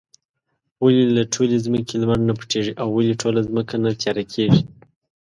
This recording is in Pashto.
ولې له ټولې ځمکې لمر نۀ پټيږي؟ او ولې ټوله ځمکه نه تياره کيږي؟